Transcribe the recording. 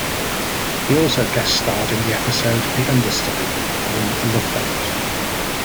He also guest-starred in the episode "The Understudy" on "The Love Boat".